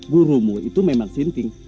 gurumu itu memang sinting